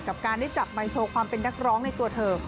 กับการได้จับไมค์โชว์ความเป็นนักร้องในตัวเธอ